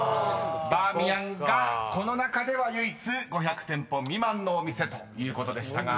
バーミヤンがこの中では唯一５００店舗未満のお店ということでしたが］